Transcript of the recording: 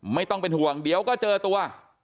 ไม่ต้องเป็นห่วงเดี๋ยวก็เจอตัว